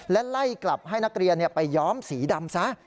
และไล่กลับให้นักเรียนไปย้อมสีดำซะ